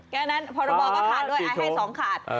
ก็ขาดด้วยเอ้ย๒ขาด